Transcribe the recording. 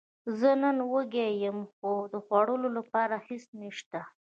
زه نن وږی یم، خو د خوړلو لپاره هیڅ نشته